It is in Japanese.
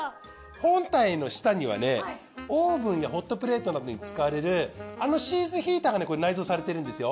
本体の下にはねオーブンやホットプレートなどに使われるあのシーズヒーターがね内蔵されてるんですよ。